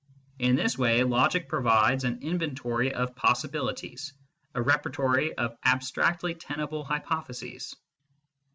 In this way logic provides an inventory of possibilities, a repertory of abstractly tenable hypotheses.